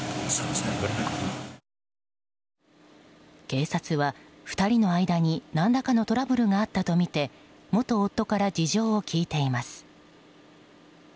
警察は２人の間に何らかのトラブルがあったとみて元夫から事情を聴いています。